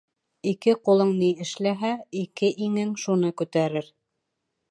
Ике ҡулың ни эшләһә, ике иңең шуны күтәрер.